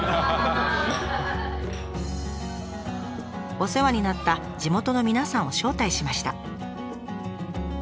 お世話になった地元の皆さんを招待しました。